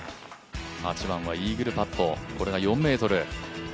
８番はイーグルパット、これが４ｍ。